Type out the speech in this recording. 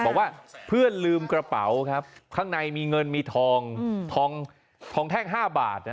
บอกว่าเพื่อนลืมกระเป๋าครับข้างในมีเงินมีทองทองแท่ง๕บาท